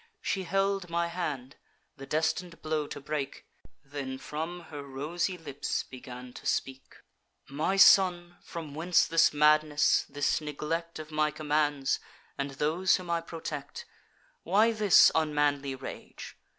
She held my hand, the destin'd blow to break; Then from her rosy lips began to speak: 'My son, from whence this madness, this neglect Of my commands, and those whom I protect? Why this unmanly rage?